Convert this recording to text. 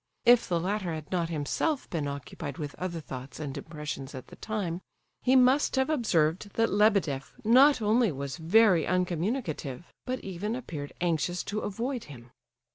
If the latter had not himself been occupied with other thoughts and impressions at the time, he must have observed that Lebedeff not only was very uncommunicative, but even appeared anxious to avoid him.